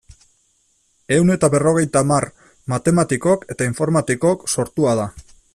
Ehun eta berrogeita hamar matematikok eta informatikok sortua da.